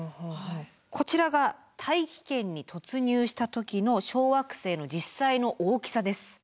こちらが大気圏に突入した時の小惑星の実際の大きさです。